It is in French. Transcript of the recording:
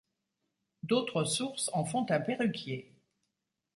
D'autres sources en font un perruquier.